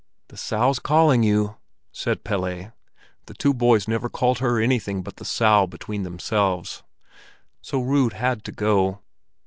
"The Sow's calling you," said Pelle. The two boys never called her anything but "the Sow" between themselves. So Rud had to go.